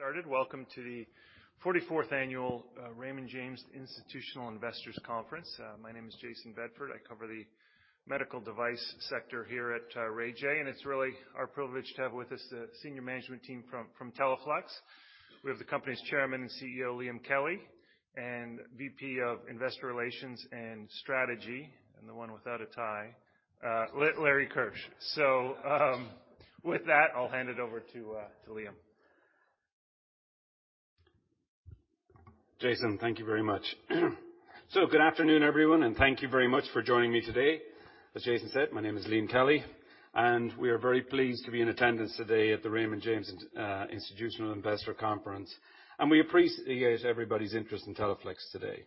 Started. Welcome to the 44th annual Raymond James Institutional Investors Conference. My name is Jayson Bedford. I cover the medical device sector here at Ray J. It's really our privilege to have with us the senior management team from Teleflex. We have the company's Chairman and CEO, Liam Kelly. VP of Investor Relations and Strategy, and the one withoreut a tie, Larry Kirsch. With that, I'll hand it over to Liam. Jayson, thank you very much. Good afternoon, everyone, and thank you very much for joining me today. As Jayson said, my name is Liam Kelly, and we are very pleased to be in attendance today at the Raymond James Institutional Investors Conference. We appreciate everybody's interest in Teleflex today.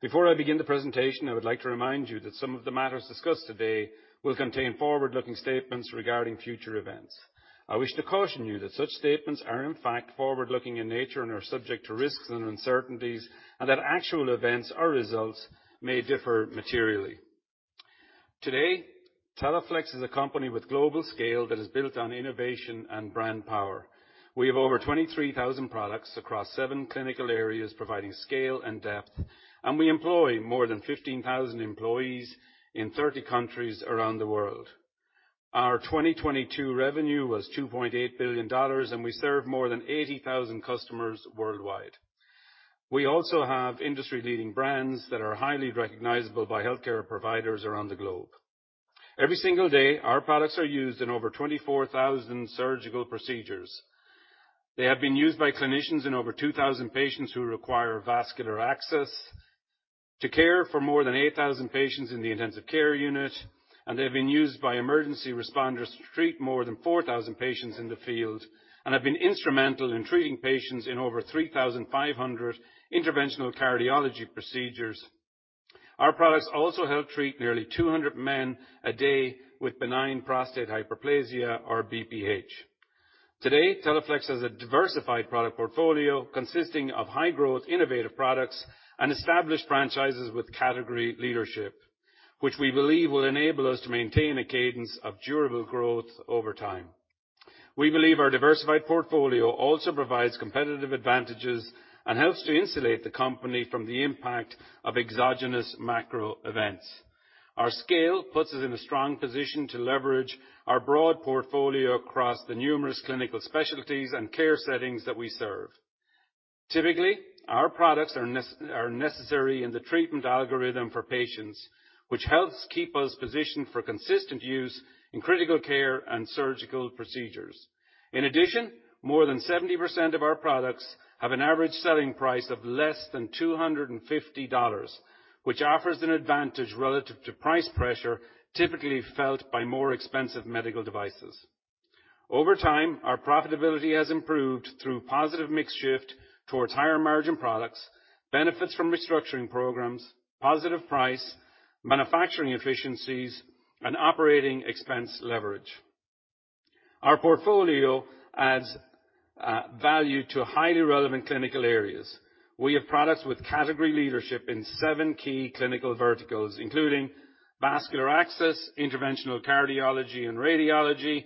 Before I begin the presentation, I would like to remind you that some of the matters discussed today will contain forward-looking statements regarding future events. I wish to caution you that such statements are, in fact, forward-looking in nature and are subject to risks and uncertainties, and that actual events or results may differ materially. Today, Teleflex is a company with global scale that is built on innovation and brand power. We have over 23,000 products across seven clinical areas providing scale and depth. We employ more than 15,000 employees in 30 countries around the world. Our 2022 revenue was $2.8 billion. We serve more than 80,000 customers worldwide. We also have industry-leading brands that are highly recognizable by healthcare providers around the globe. Every single day, our products are used in over 24,000 surgical procedures. They have been used by clinicians in over 2,000 patients who require vascular access to care for more than 8,000 patients in the intensive care unit. They have been used by emergency responders to treat more than 4,000 patients in the field. Have been instrumental in treating patients in over 3,500 interventional cardiology procedures. Our products also help treat nearly 200 men a day with benign prostatic hyperplasia or BPH. Today, Teleflex has a diversified product portfolio consisting of high-growth, innovative products and established franchises with category leadership, which we believe will enable us to maintain a cadence of durable growth over time. We believe our diversified portfolio also provides competitive advantages and helps to insulate the company from the impact of exogenous macro events. Our scale puts us in a strong position to leverage our broad portfolio across the numerous clinical specialties and care settings that we serve. Typically, our products are necessary in the treatment algorithm for patients, which helps keep us positioned for consistent use in critical care and surgical procedures. In addition, more than 70% of our products have an average selling price of less than $250, which offers an advantage relative to price pressure typically felt by more expensive medical devices. Over time, our profitability has improved through positive mix shift towards higher-margin products, benefits from restructuring programs, positive price, manufacturing efficiencies, and operating expense leverage. Our portfolio adds value to highly relevant clinical areas. We have products with category leadership in seven key clinical verticals, including vascular access, interventional cardiology and radiology,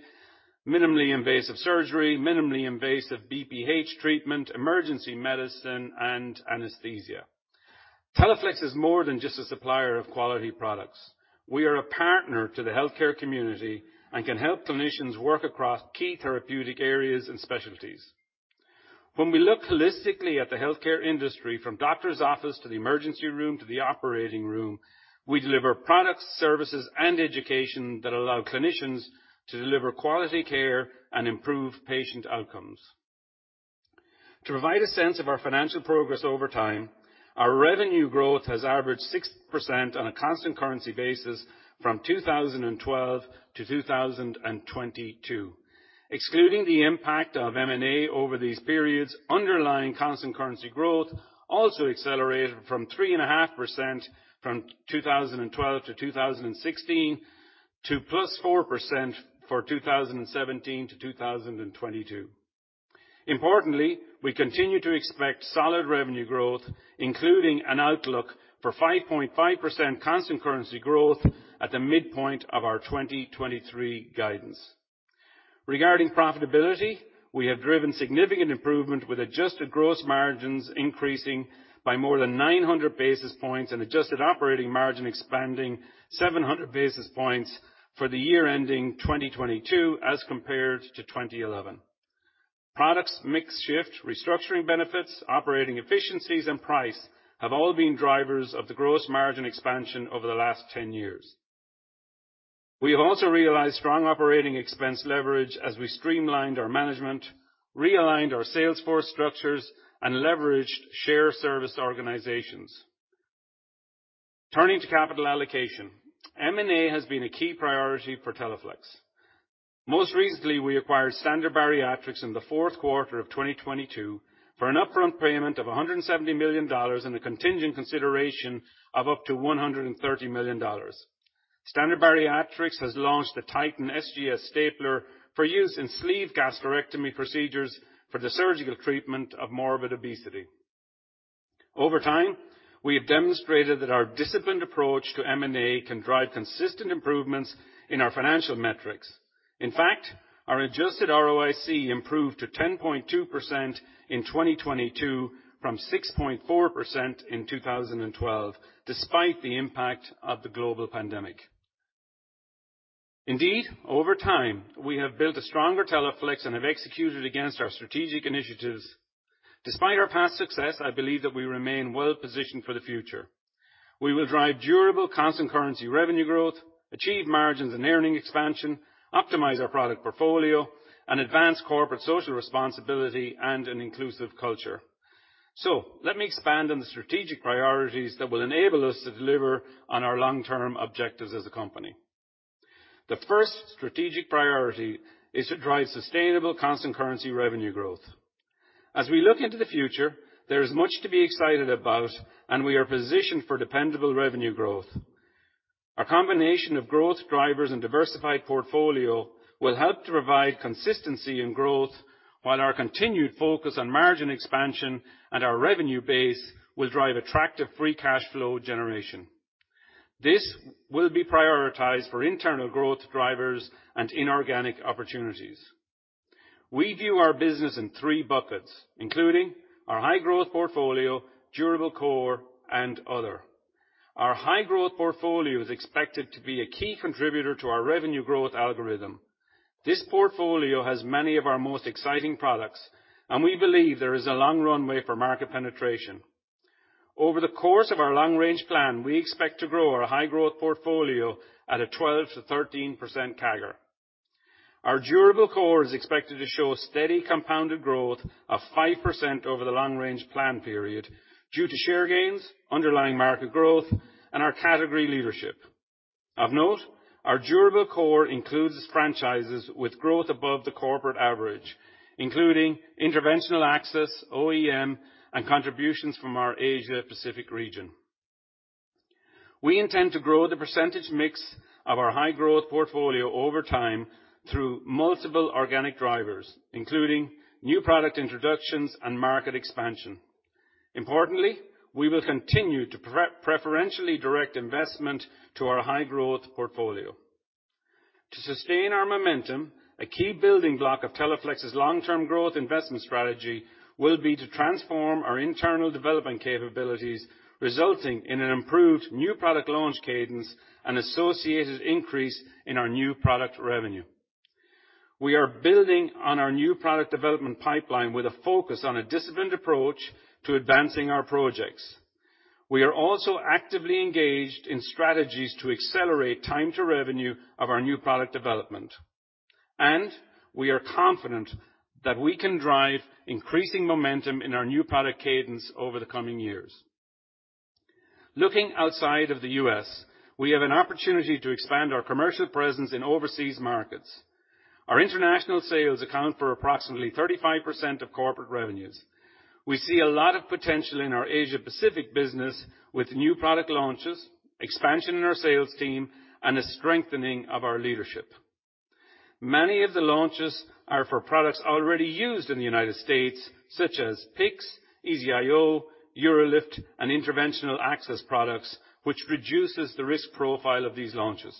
minimally invasive surgery, minimally invasive BPH treatment, emergency medicine, and anesthesia. Teleflex is more than just a supplier of quality products. We are a partner to the healthcare community and can help clinicians work across key therapeutic areas and specialties. When we look holistically at the healthcare industry, from doctor's office to the emergency room to the operating room, we deliver products, services, and education that allow clinicians to deliver quality care and improve patient outcomes. To provide a sense of our financial progress over time, our revenue growth has averaged 6% on a constant currency basis from 2012 to 2022. Excluding the impact of M&A over these periods, underlying constant currency growth also accelerated from 3.5% from 2012-2016, to +4% for 2017-2022. Importantly, we continue to expect solid revenue growth, including an outlook for 5.5% constant currency growth at the midpoint of our 2023 guidance. Regarding profitability, we have driven significant improvement with adjusted gross margins increasing by more than 900 basis points and adjusted operating margin expanding 700 basis points for the year ending 2022 as compared to 2011. Products mix shift, restructuring benefits, operating efficiencies, and price have all been drivers of the gross margin expansion over the last 10 years. We have also realized strong operating expense leverage as we streamlined our management, realigned our sales force structures, and leveraged share service organizations. Turning to capital allocation, M&A has been a key priority for Teleflex. Most recently, we acquired Standard Bariatrics in the fourth quarter of 2022 for an upfront payment of $170 million and a contingent consideration of up to $130 million. Standard Bariatrics has launched the Titan SGS Stapler for use in sleeve gastrectomy procedures for the surgical treatment of morbid obesity. Over time, we have demonstrated that our disciplined approach to M&A can drive consistent improvements in our financial metrics. In fact, our adjusted ROIC improved to 10.2% in 2022 from 6.4% in 2012, despite the impact of the global pandemic. Indeed, over time, we have built a stronger Teleflex and have executed against our strategic initiatives. Despite our past success, I believe that we remain well-positioned for the future. We will drive durable constant currency revenue growth, achieve margins and earning expansion, optimize our product portfolio, and advance corporate social responsibility and an inclusive culture. Let me expand on the strategic priorities that will enable us to deliver on our long-term objectives as a company. The first strategic priority is to drive sustainable constant currency revenue growth. As we look into the future, there is much to be excited about, we are positioned for dependable revenue growth. A combination of growth drivers and diversified portfolio will help to provide consistency in growth, while our continued focus on margin expansion and our revenue base will drive attractive free cash flow generation. This will be prioritized for internal growth drivers and inorganic opportunities. We view our business in three buckets, including our high-growth portfolio, durable core, and other. Our high-growth portfolio is expected to be a key contributor to our revenue growth algorithm. This portfolio has many of our most exciting products, we believe there is a long runway for market penetration. Over the course of our long-range plan, we expect to grow our high-growth portfolio at a 12%-13% CAGR. Our durable core is expected to show steady compounded growth of 5% over the long-range plan period due to share gains, underlying market growth, and our category leadership. Of note, our durable core includes franchises with growth above the corporate average, including interventional access, OEM, and contributions from our Asia Pacific region. We intend to grow the percentage mix of our high-growth portfolio over time through multiple organic drivers, including new product introductions and market expansion. Importantly, we will continue to preferentially direct investment to our high-growth portfolio. To sustain our momentum, a key building block of Teleflex's long-term growth investment strategy will be to transform our internal development capabilities, resulting in an improved new product launch cadence and associated increase in our new product revenue. We are building on our new product development pipeline with a focus on a disciplined approach to advancing our projects. We are also actively engaged in strategies to accelerate time to revenue of our new product development, and we are confident that we can drive increasing momentum in our new product cadence over the coming years. Looking outside of the U.S., we have an opportunity to expand our commercial presence in overseas markets. Our international sales account for approximately 35% of corporate revenues. We see a lot of potential in our Asia Pacific business with new product launches, expansion in our sales team, and a strengthening of our leadership. Many of the launches are for products already used in the United States such as PICC, EZ-IO, UroLift, and interventional access products, which reduces the risk profile of these launches.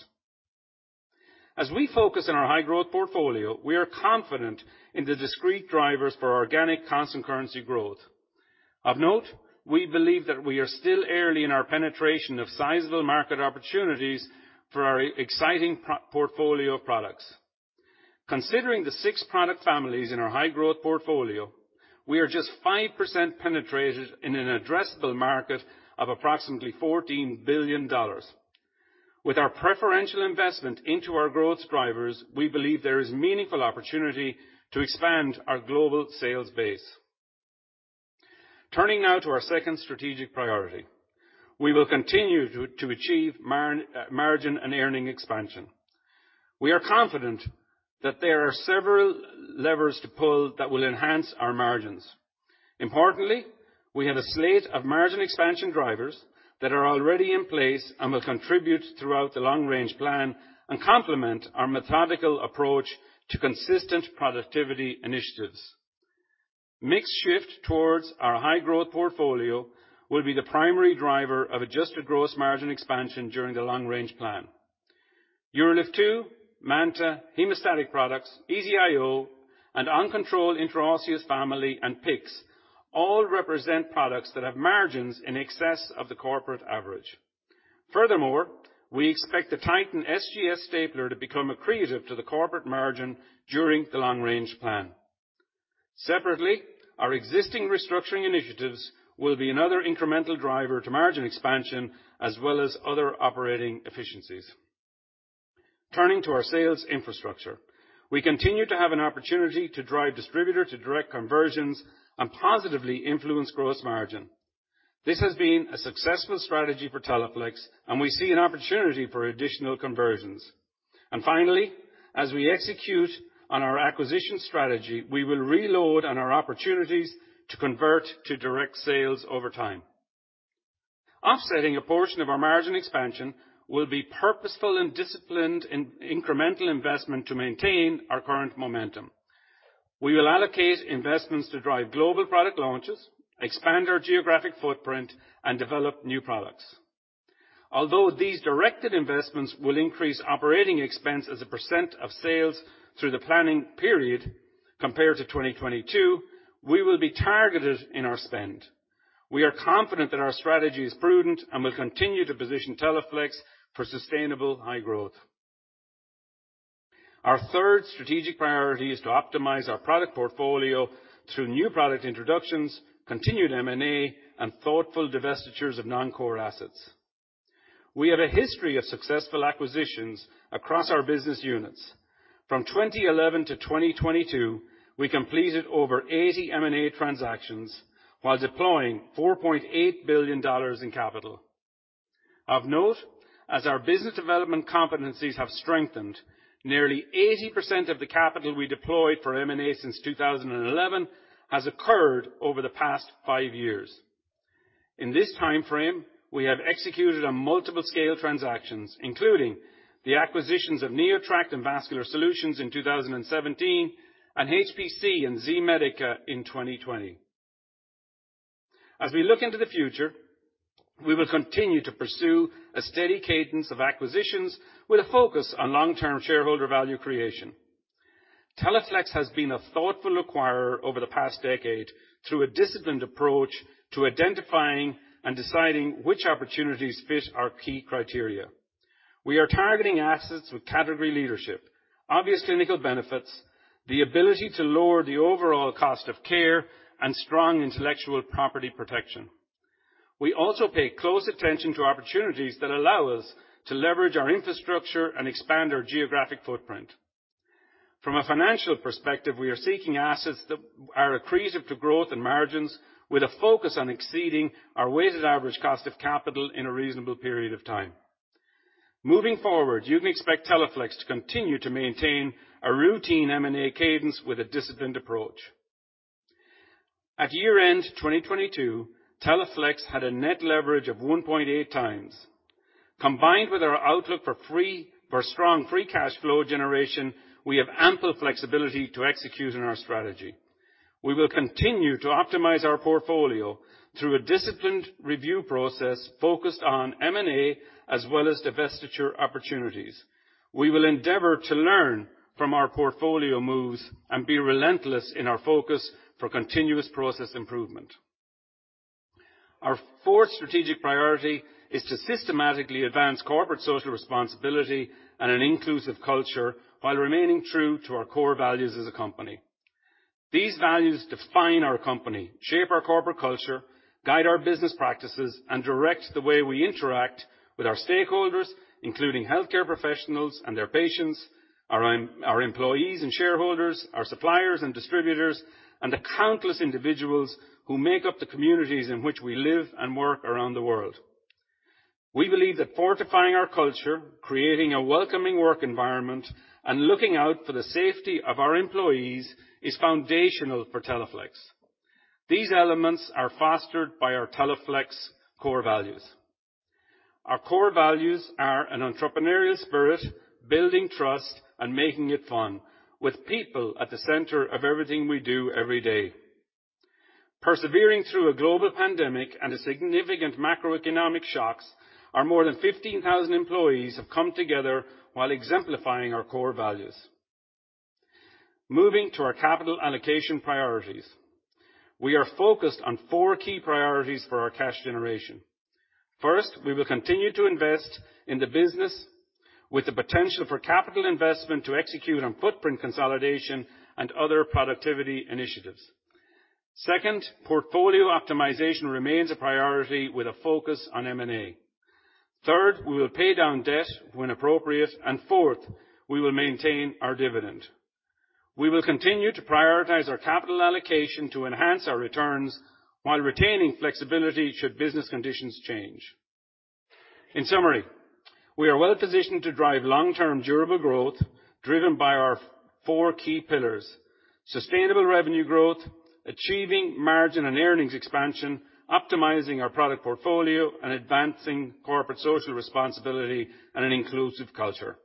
As we focus on our high-growth portfolio, we are confident in the discrete drivers for organic constant currency growth. Of note, we believe that we are still early in our penetration of sizable market opportunities for our exciting pro-portfolio of products. Considering the six product families in our high-growth portfolio, we are just 5% penetrated in an addressable market of approximately $14 billion. With our preferential investment into our growth drivers, we believe there is meaningful opportunity to expand our global sales base. Turning now to our second strategic priority. We will continue to achieve margin and earning expansion. We are confident that there are several levers to pull that will enhance our margins. Importantly, we have a slate of margin expansion drivers that are already in place and will contribute throughout the long-range plan and complement our methodical approach to consistent productivity initiatives. Mix shift towards our high-growth portfolio will be the primary driver of adjusted gross margin expansion during the long-range plan. UroLift 2, MANTA, Hemostatic products, EZ-IO, and uncontrolled intraosseous family, and PICC all represent products that have margins in excess of the corporate average. Furthermore, we expect the Titan SGS Stapler to become accretive to the corporate margin during the long-range plan. Separately, our existing restructuring initiatives will be another incremental driver to margin expansion as well as other operating efficiencies. Turning to our sales infrastructure. We continue to have an opportunity to drive distributor to direct conversions and positively influence gross margin. This has been a successful strategy for Teleflex, and we see an opportunity for additional conversions. Finally, as we execute on our acquisition strategy, we will reload on our opportunities to convert to direct sales over time. Offsetting a portion of our margin expansion will be purposeful and disciplined in incremental investment to maintain our current momentum. We will allocate investments to drive global product launches, expand our geographic footprint, and develop new products. Although these directed investments will increase operating expense as a percent of sales through the planning period compared to 2022, we will be targeted in our spend. We are confident that our strategy is prudent and will continue to position Teleflex for sustainable high growth. Our third strategic priority is to optimize our product portfolio through new product introductions, continued M&A, and thoughtful divestitures of non-core assets. We have a history of successful acquisitions across our business units. From 2011-2022, we completed over 80 M&A transactions while deploying $4.8 billion in capital. Of note, as our business development competencies have strengthened, nearly 80% of the capital we deployed for M&A since 2011 has occurred over the past five years. In this time frame, we have executed on multiple scale transactions, including the acquisitions of NeoTract and Vascular Solutions in 2017 and HPC and Z-Medica in 2020. As we look into the future, we will continue to pursue a steady cadence of acquisitions with a focus on long-term shareholder value creation. Teleflex has been a thoughtful acquirer over the past decade through a disciplined approach to identifying and deciding which opportunities fit our key criteria. We are targeting assets with category leadership, obvious clinical benefits, the ability to lower the overall cost of care, and strong intellectual property protection. We also pay close attention to opportunities that allow us to leverage our infrastructure and expand our geographic footprint. From a financial perspective, we are seeking assets that are accretive to growth and margins with a focus on exceeding our weighted average cost of capital in a reasonable period of time. Moving forward, you can expect Teleflex to continue to maintain a routine M&A cadence with a disciplined approach. At year-end 2022, Teleflex had a net leverage of 1.8x. Combined with our outlook for strong free cash flow generation, we have ample flexibility to execute on our strategy. We will continue to optimize our portfolio through a disciplined review process focused on M&A as well as divestiture opportunities. We will endeavor to learn from our portfolio moves and be relentless in our focus for continuous process improvement. Our fourth strategic priority is to systematically advance corporate social responsibility and an inclusive culture while remaining true to our core values as a company. These values define our company, shape our corporate culture, guide our business practices, and direct the way we interact with our stakeholders, including healthcare professionals and their patients, our employees and shareholders, our suppliers and distributors, and the countless individuals who make up the communities in which we live and work around the world. We believe that fortifying our culture, creating a welcoming work environment, and looking out for the safety of our employees is foundational for Teleflex. These elements are fostered by our Teleflex core values. Our core values are an entrepreneurial spirit, building trust, and making it fun with people at the center of everything we do every day. Persevering through a global pandemic and a significant macroeconomic shocks, our more than 15,000 employees have come together while exemplifying our core values. Moving to our capital allocation priorities. We are focused on four key priorities for our cash generation. First, we will continue to invest in the business with the potential for capital investment to execute on footprint consolidation and other productivity initiatives. Second, portfolio optimization remains a priority with a focus on M&A. Third, we will pay down debt when appropriate. Fourth, we will maintain our dividend. We will continue to prioritize our capital allocation to enhance our returns while retaining flexibility should business conditions change. In summary, we are well-positioned to drive long-term durable growth driven by our four key pillars: sustainable revenue growth, achieving margin and earnings expansion, optimizing our product portfolio, and advancing corporate social responsibility and an inclusive culture.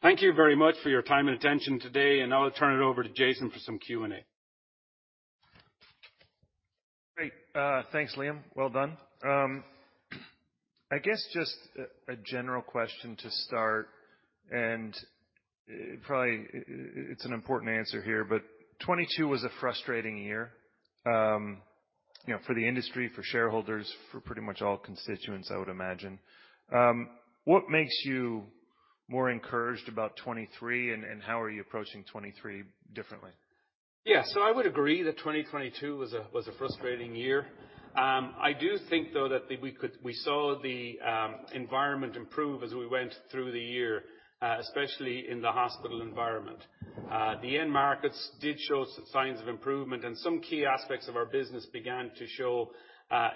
Thank you very much for your time and attention today, and I'll turn it over to Jayson for some Q&A. Great. Thanks, Liam. Well done. I guess just a general question to start, and probably it's an important answer here, but 2022 was a frustrating year, you know, for the industry, for shareholders, for pretty much all constituents, I would imagine. What makes you more encouraged about 2023, and how are you approaching 2023 differently? I would agree that 2022 was a frustrating year. I do think though that we saw the environment improve as we went through the year, especially in the hospital environment. The end markets did show signs of improvement, and some key aspects of our business began to show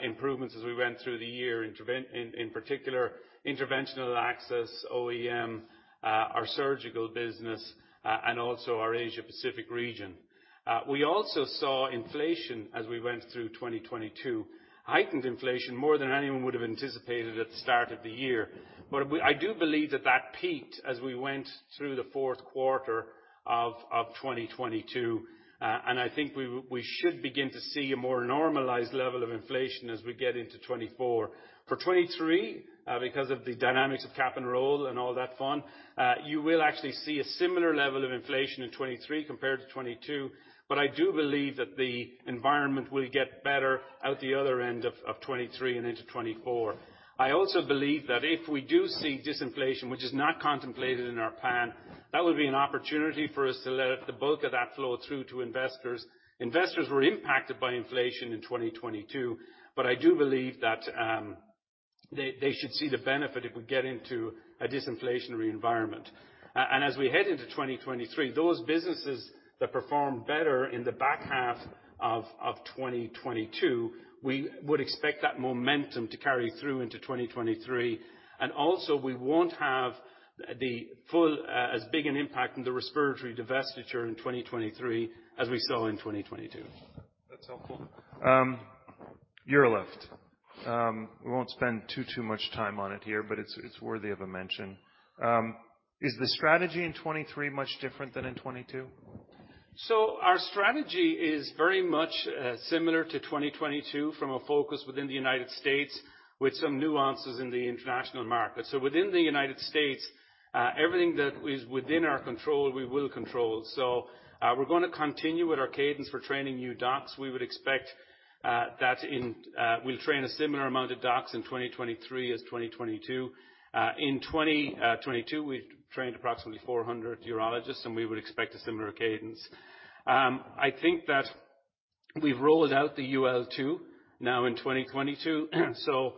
improvements as we went through the year. In particular, interventional access, OEM, our Surgical business, and also our Asia Pacific region. We also saw inflation as we went through 2022. Heightened inflation more than anyone would have anticipated at the start of the year. I do believe that that peaked as we went through the fourth quarter of 2022. I think we should begin to see a more normalized level of inflation as we get into 2024. For 2023, because of the dynamics of cap and roll and all that fun, you will actually see a similar level of inflation in 2023 compared to 2022. I do believe that the environment will get better out the other end of 2023 and into 2024. I also believe that if we do see disinflation, which is not contemplated in our plan, that would be an opportunity for us to let the bulk of that flow through to investors. Investors were impacted by inflation in 2022, I do believe that they should see the benefit if we get into a disinflationary environment. As we head into 2023, those businesses that perform better in the back half of 2022, we would expect that momentum to carry through into 2023. Also, we won't have the full, as big an impact in the respiratory divestiture in 2023 as we saw in 2022. That's helpful. UroLift. We won't spend too much time on it here, but it's worthy of a mention. Is the strategy in 2023 much different than in 2022? Our strategy is very much similar to 2022 from a focus within the United States, with some nuances in the international market. Within the United States, everything that is within our control, we will control. We're gonna continue with our cadence for training new docs. We would expect We'll train a similar amount of docs in 2023 as 2022. In 2022, we trained approximately 400 urologists, and we would expect a similar cadence. I think that we've rolled out the UL2 now in 2022, so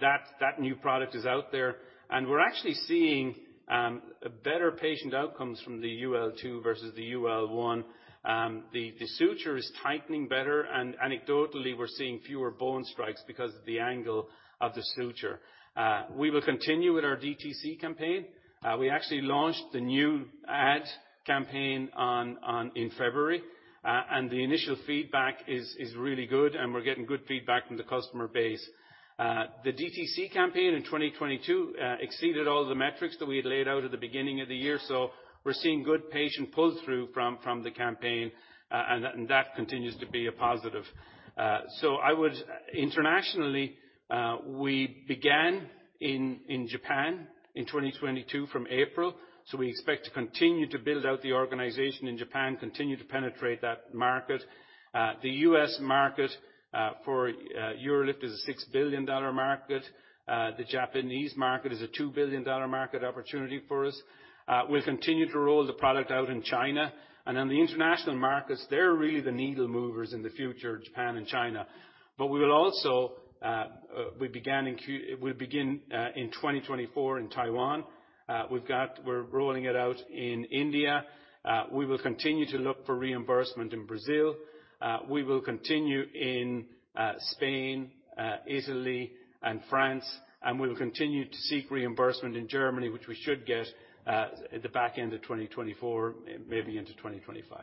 that new product is out there. We're actually seeing better patient outcomes from the UL2 versus the UL1. The suture is tightening better, and anecdotally, we're seeing fewer bone strikes because of the angle of the suture. We will continue with our DTC campaign. We actually launched the new ad campaign in February. The initial feedback is really good, and we're getting good feedback from the customer base. The DTC campaign in 2022 exceeded all the metrics that we had laid out at the beginning of the year. We're seeing good patient pull-through from the campaign. That continues to be a positive. I would... Internationally, we began in Japan in 2022 from April, we expect to continue to build out the organization in Japan, continue to penetrate that market. The U.S. market for UroLift is a $6 billion market. The Japanese market is a $2 billion market opportunity for us. We'll continue to roll the product out in China. On the international markets, they're really the needle movers in the future, Japan and China. We will also, we'll begin in 2024 in Taiwan. We're rolling it out in India. We will continue to look for reimbursement in Brazil. We will continue in Spain, Italy and France, and we will continue to seek reimbursement in Germany, which we should get at the back end of 2024, maybe into 2025.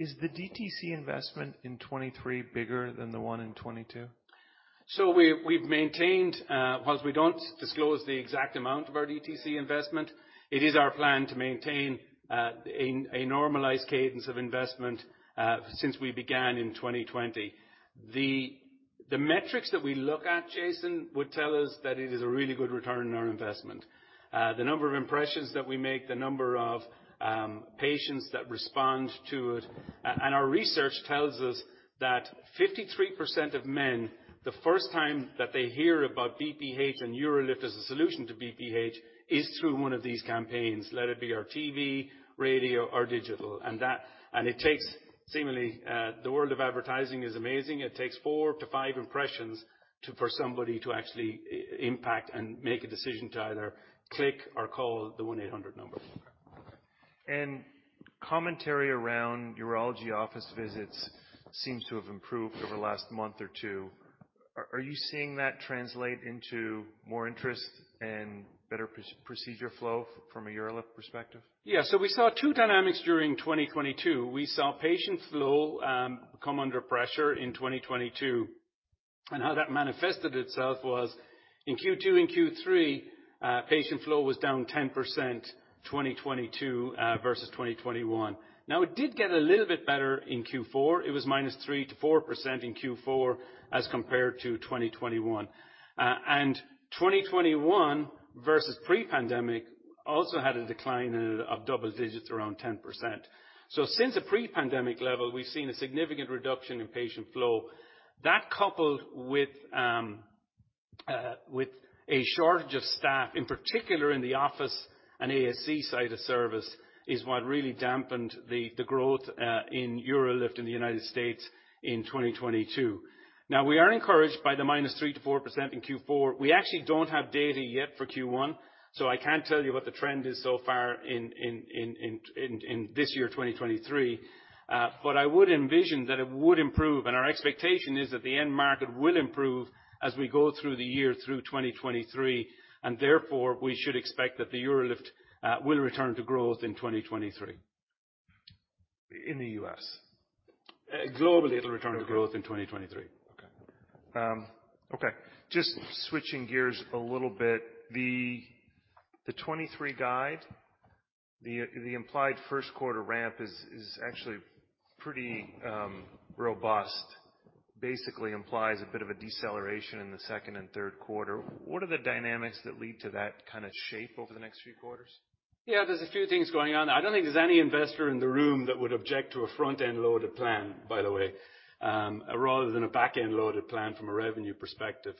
Is the DTC investment in 2023 bigger than the one in 2022? We've maintained, whilst we don't disclose the exact amount of our DTC investment, it is our plan to maintain a normalized cadence of investment since we began in 2020. The metrics that we look at, Jayson, would tell us that it is a really good return on our investment. The number of impressions that we make, the number of patients that respond to it. Our research tells us that 53% of men, the first time that they hear about BPH and UroLift as a solution to BPH is through one of these campaigns, let it be our TV, radio or digital. It takes seemingly, the world of advertising is amazing. It takes four to five impressions for somebody to actually impact and make a decision to either click or call the 1-800 number. Commentary around urology office visits seems to have improved over the last month or two. Are you seeing that translate into more interest and better procedure flow from a UroLift perspective? We saw two dynamics during 2022. We saw patient flow come under pressure in 2022, and how that manifested itself was in Q2 and Q3, patient flow was down 10%, 2022 versus 2021. It did get a little bit better in Q4. It was -3% to -4% in Q4 as compared to 2021. 2021 versus pre-pandemic also had a decline of double digits, around 10%. Since the pre-pandemic level, we've seen a significant reduction in patient flow. That coupled with a shortage of staff, in particular in the office and ASC side of service, is what really dampened the growth in UroLift in the United States in 2022. We are encouraged by the -3% to -4% in Q4. We actually don't have data yet for Q1, so I can't tell you what the trend is so far in this year, 2023. I would envision that it would improve. Our expectation is that the end market will improve as we go through the year through 2023. Therefore we should expect that the UroLift will return to growth in 2023. In the U.S. Globally, it'll return to growth in 2023. Okay. Okay. Just switching gears a little bit. The 2023 guide, the implied first quarter ramp is actually pretty robust. Basically implies a bit of a deceleration in the second and third quarter. What are the dynamics that lead to that kind of shape over the next few quarters? Yeah, there's a few things going on. I don't think there's any investor in the room that would object to a front-end loaded plan, by the way, rather than a back-end loaded plan from a revenue perspective.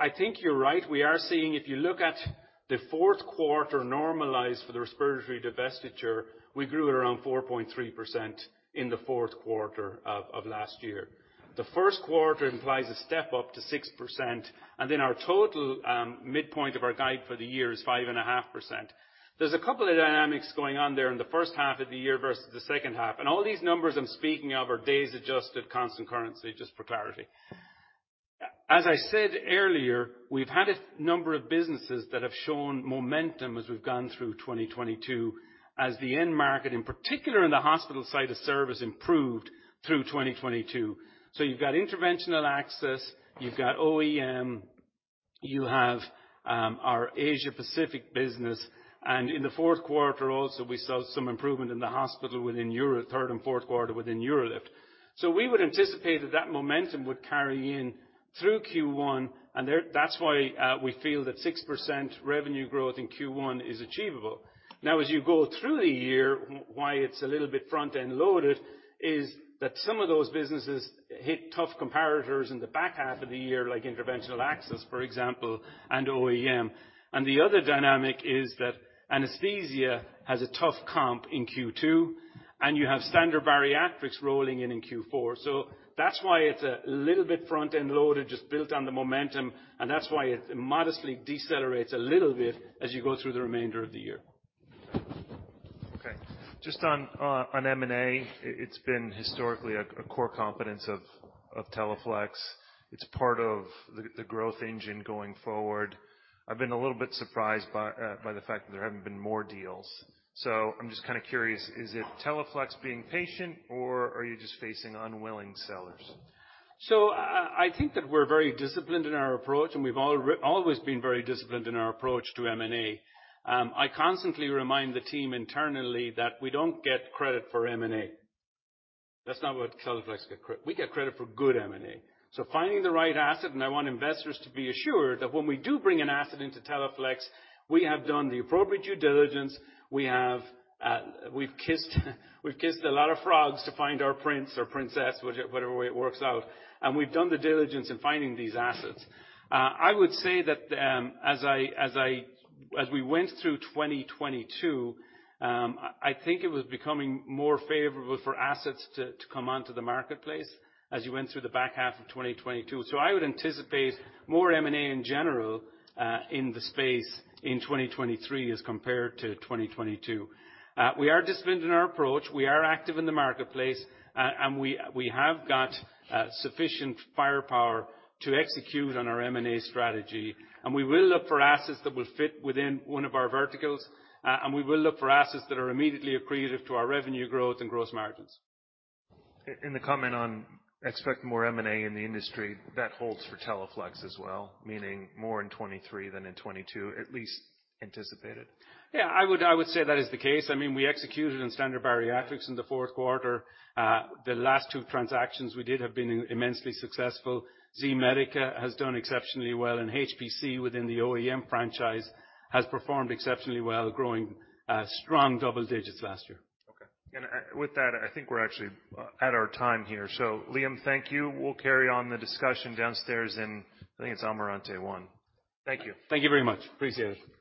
I think you're right. We are seeing, if you look at the fourth quarter normalized for the respiratory divestiture, we grew at around 4.3% in the fourth quarter of last year. The first quarter implies a step-up to 6%, and then our total midpoint of our guide for the year is 5.5%. There's a couple of dynamics going on there in the first half of the year versus the second half, and all these numbers I'm speaking of are days adjusted constant currency, just for clarity. As I said earlier, we've had a number of businesses that have shown momentum as we've gone through 2022 as the end market, in particular in the hospital side of service, improved through 2022. You've got interventional access, you've got OEM, you have our Asia Pacific business, and in the fourth quarter also we saw some improvement in the hospital within UroLift, third and fourth quarter within UroLift. We would anticipate that that momentum would carry in through Q1, and there, that's why we feel that 6% revenue growth in Q1 is achievable. As you go through the year, why it's a little bit front-end loaded is that some of those businesses hit tough comparators in the back half of the year, like interventional access, for example, and OEM. The other dynamic is that anesthesia has a tough comp in Q2, and you have Standard Bariatrics rolling in in Q4. That's why it's a little bit front-end loaded, just built on the momentum, and that's why it modestly decelerates a little bit as you go through the remainder of the year. Okay. Just on M&A. It's been historically a core competence of Teleflex. It's part of the growth engine going forward. I've been a little bit surprised by the fact that there haven't been more deals. I'm just kinda curious, is it Teleflex being patient, or are you just facing unwilling sellers? I think that we're very disciplined in our approach, and we've always been very disciplined in our approach to M&A. I constantly remind the team internally that we don't get credit for M&A. That's not what Teleflex get we get credit for good M&A. Finding the right asset, and I want investors to be assured that when we do bring an asset into Teleflex, we have done the appropriate due diligence. We have, we've kissed a lot of frogs to find our prince or princess, whatever way it works out, and we've done the diligence in finding these assets. I would say that as we went through 2022, I think it was becoming more favorable for assets to come onto the marketplace as you went through the back half of 2022. I would anticipate more M&A in general in the space in 2023 as compared to 2022. We are disciplined in our approach, we are active in the marketplace, and we have got sufficient firepower to execute on our M&A strategy. We will look for assets that will fit within one of our verticals, and we will look for assets that are immediately accretive to our revenue growth and gross margins. In the comment on expect more M&A in the industry, that holds for Teleflex as well? Meaning more in 2023 than in 2022, at least anticipated. Yeah. I would say that is the case. I mean, we executed in Standard Bariatrics in the fourth quarter. The last two transactions we did have been immensely successful. Z-Medica has done exceptionally well, and HPC within the OEM franchise has performed exceptionally well, growing, strong double digits last year. Okay. With that, I think we're actually out of time here. Liam, thank you. We'll carry on the discussion downstairs in, I think it's Amarante One. Thank you. Thank you very much. Appreciate it.